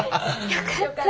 よかった。